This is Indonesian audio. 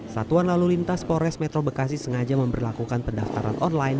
satuan lalu lintas pores metro bekasi sengaja memperlakukan pendaftaran online